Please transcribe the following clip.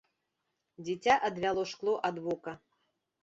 Дзіця адвяло шкло ад вока.